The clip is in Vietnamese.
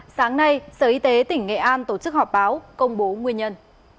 sáng nay sở y tế tỉnh nghệ an tổ chức họp báo công bố nguyên nhân